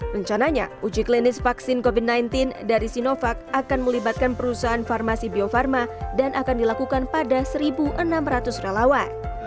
rencananya uji klinis vaksin covid sembilan belas dari sinovac akan melibatkan perusahaan farmasi bio farma dan akan dilakukan pada satu enam ratus relawan